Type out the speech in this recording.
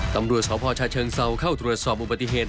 ตำรวจสพชาเชิงเซาเข้าตรวจสอบอุบัติเหตุ